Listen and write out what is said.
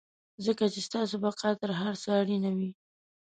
ځکه چې ستاسې بقا تر هر څه اړينه وي.